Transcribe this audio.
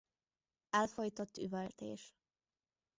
Elfojtott üvöltés.